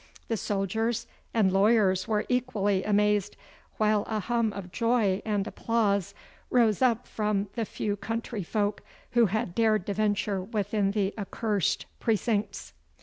The soldiers and lawyers were equally amazed, while a hum of joy and applause rose up from the few country folk who had dared to venture within the accursed precincts.